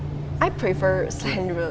saya lebih suka slendro